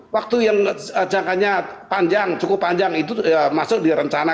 waktu yang jangkanya panjang cukup panjang itu masuk di rencana